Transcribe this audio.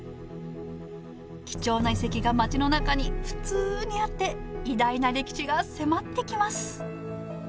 貴重な遺跡が街の中に普通にあって偉大な歴史が迫ってきます